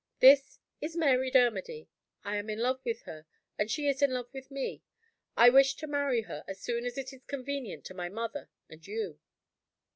This is Mary Dermody. I am in love with her, and she is in love with me. I wish to marry her as soon as it is convenient to my mother and you."